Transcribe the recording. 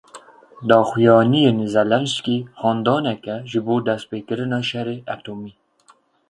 Daxuyaniyên Zelensky handanek e ji bo destpêkirina şerê etomî.